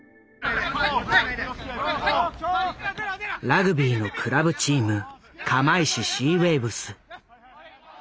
ラグビーのクラブチーム「釜石シーウェイブス」。